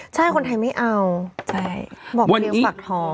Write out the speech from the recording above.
ใช่คนไทยไม่เอาบอกเรียงฝักท้อง